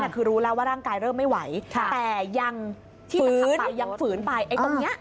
ก็รู้แล้วว่าร่างกายเริ่มไม่ไหวแต่ยังฝืนไป